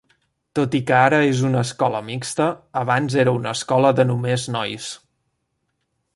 Tot i que ara és una escola mixta, abans era una escola de només nois.